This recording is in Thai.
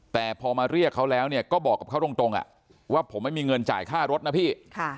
แต่พอมาเรียกเขาแล้วเนี่ยก็บอกกับเขาตรงว่าผมไม่มีเงินจ่ายค่ารถนะพี่